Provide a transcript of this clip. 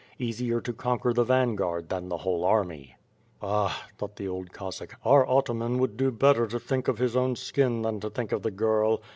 Easier to conquer the vanguard than the whole army. "Ah!" thought the old Cossack, "our ataman would do better to think of his own skin than to think of the girl.